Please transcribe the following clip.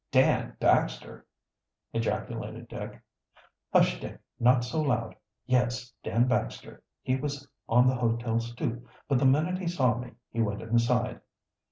"Dan Baxter!" ejaculated Dick. "Hush, Dick! not so loud. Yes, Dan Baxter. He was on the hotel stoop, but the minute he saw me he went inside."